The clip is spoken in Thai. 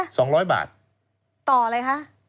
คุณนิวจดไว้หมื่นบาทต่อเดือนมีค่าเสี่ยงให้ด้วย